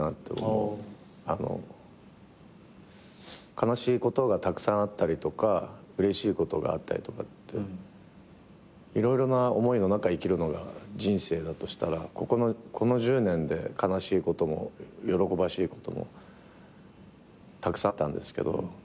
悲しいことがたくさんあったりとかうれしいことがあったりとかって色々な思いの中生きるのが人生だとしたらこの１０年で悲しいことも喜ばしいこともたくさんあったんですけど。